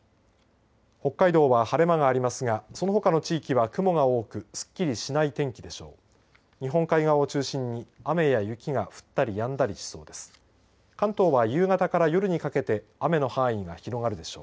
北海道は晴れ間がありますがそのほかの地域は雲が多くすっきりしない天気でしょう。